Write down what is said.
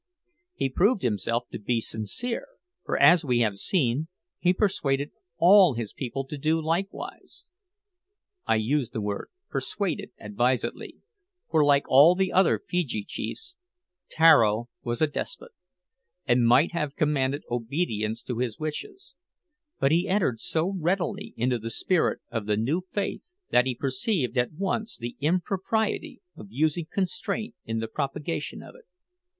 He proved himself to be sincere, for, as we have seen, he persuaded all his people to do likewise. I use the word "persuaded" advisedly, for, like all the other Feejee chiefs, Tararo was a despot, and might have commanded obedience to his wishes; but he entered so readily into the spirit of the new faith that he perceived at once the impropriety of using constraint in the propagation of it.